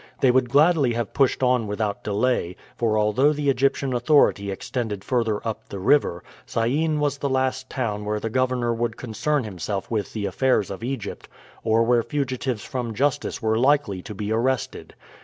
They would gladly have pushed on without delay, for although the Egyptian authority extended further up the river, Syene was the last town where the governor would concern himself with the affairs of Egypt, or where fugitives from justice were likely to be arrested.